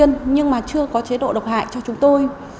nhưng mà chưa có chế độ độc hại cho chúng tôi